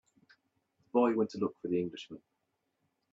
The boy went to look for the Englishman.